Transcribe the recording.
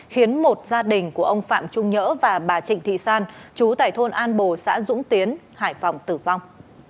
khiến một gia đình của ông phạm trung nhớ và bà trịnh thị san chú tại thôn an bồ xã dũng tiến hải phòng tử vong